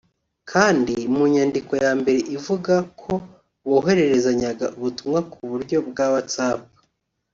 kandi mu nyandiko ya mbere ivuga ko bohererezanyaga ubutumwa ku buryo bwa WhatsApp